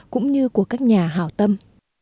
cũng như của các nhà hảo tâm